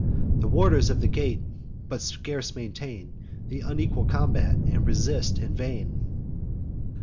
The warders of the gate but scarce maintain Th' unequal combat, and resist in vain.